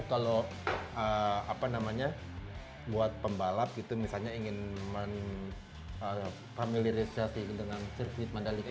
kalau buat pembalap ingin familiarisasi dengan sirkuit mandalika